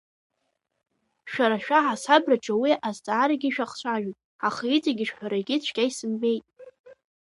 Шәара шәаҳасабрбаҿы уи азҵаарагьы шәахцәажәоит, аха иҵегьы шәҳәаргьы цәгьа изымбеит.